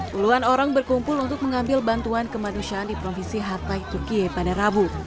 puluhan orang berkumpul untuk mengambil bantuan kemanusiaan di provinsi hatay turkiye pada rabu